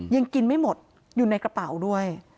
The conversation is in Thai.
ยังกินไม่หมดอยู่ในกระเป๋าด้วย